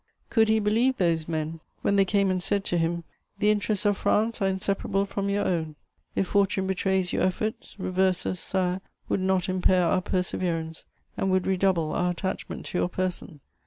Could he believe those men, when they came and said to him: "The interests of France are inseparable from your own. If fortune betrays your efforts, reverses, Sire, would not impair our perseverance and would redouble our attachment to your person."